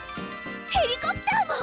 ヘリコプターも？